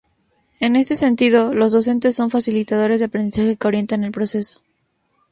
En este sentido, los docentes son facilitadores del aprendizaje que orientan el proceso.